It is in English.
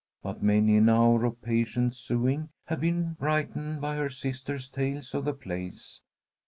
But many an hour of patient sewing had been brightened by her sisters' tales of the place.